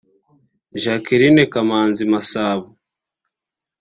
Jacqueline Kamanzi Masabo